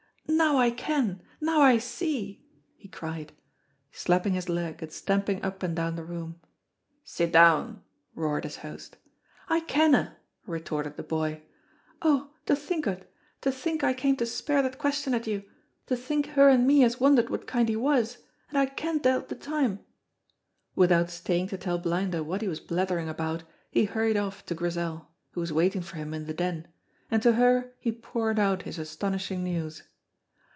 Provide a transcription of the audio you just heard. "Now I ken, now I see!" he cried, slapping his leg and stamping up and down the room. "Sit down!" roared his host. "I canna," retorted the boy. "Oh, to think o't, to think I came to speir that question at you, to think her and me has wondered what kind he was, and I kent a' the time!" Without staying to tell Blinder what he was blethering about, he hurried off to Grizel, who was waiting for him in the Den, and to her he poured out his astonishing news.